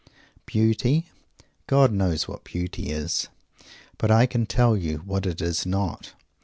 _ Beauty? God knows what beauty is. But I can tell you what it is not.